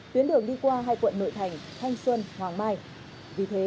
tuyến đường đi qua hai quận nội thành thanh xuân hoàng mai